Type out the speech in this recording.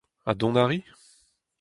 Ha dont a ri ?